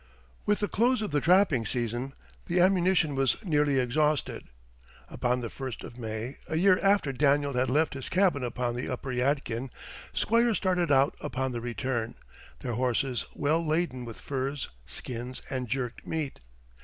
With the close of the trapping season the ammunition was nearly exhausted. Upon the first of May, a year after Daniel had left his cabin upon the upper Yadkin, Squire started out upon the return, their horses well laden with furs, skins, and jerked meat.